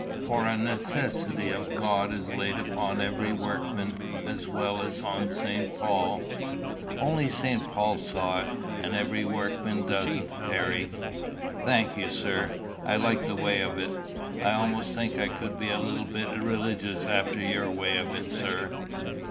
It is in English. For a necessity of God is laid upon every workman as well as on St. Paul. Only St. Paul saw it, and every workman doesn't, Harry." "Thank you, sir. I like that way of it. I almost think I could be a little bit religious after your way of it, sir."